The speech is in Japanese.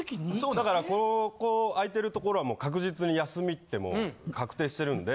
だからこの空いてるところはもう確実に休みってもう確定してるんで。